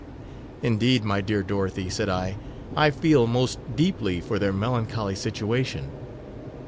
Indeed, my dear Dorothy, said I, I feel most deeply for their melancholy situation.